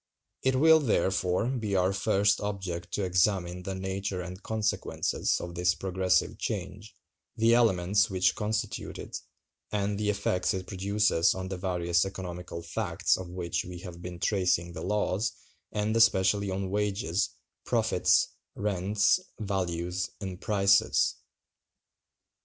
It will, therefore, be our first object to examine the nature and consequences of this progressive change, the elements which constitute it, and the effects it produces on the various economical facts of which we have been tracing the laws, and especially on wages, profits, rents, values, and prices.